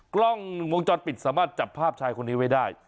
กล้องวงจรปิดสามารถจับภาพชายคนนี้ไว้ได้